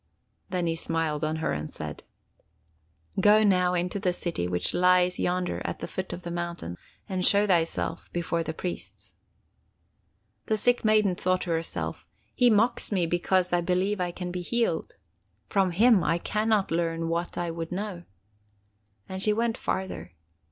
Then he smiled on her and said: 'Go now into the city which lies yonder at the foot of the mountain, and show thyself before the priests!' "The sick maiden thought to herself: 'He mocks me because I believe I can be healed. From him I can not learn what I would know.' And she went farther.